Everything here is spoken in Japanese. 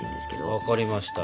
分かりました。